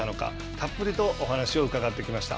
たっぷりとお話を伺ってきました。